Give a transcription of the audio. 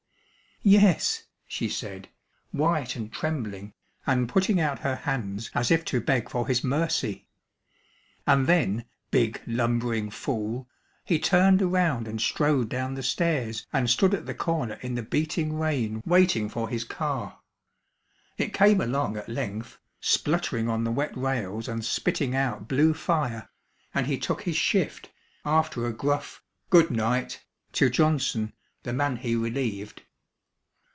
"Yes," she said, white and trembling and putting out her hands as if to beg for his mercy. And then big, lumbering fool he turned around and strode down the stairs and stood at the corner in the beating rain waiting for his car. It came along at length, spluttering on the wet rails and spitting out blue fire, and he took his shift after a gruff "Good night" to Johnson, the man he relieved.